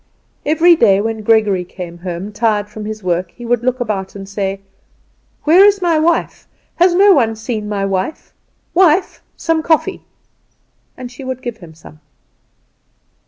Every day when Gregory came home, tired from his work, he would look about and say, "Where is my wife? Has no one seen my wife? Wife, some coffee!" and she would give him some.